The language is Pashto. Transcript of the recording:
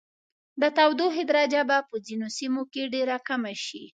د تودوخې درجه به په ځینو سیمو کې ډیره کمه شي.